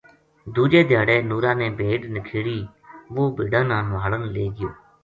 دُوجے دھیاڑے نُورا نے بھیڈ نکھیڑی وُہ بھیڈاں نا نُہالن لے گیو